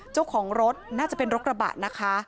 เจ้าของรถน่าจะเป็นรถกระบะนะคะ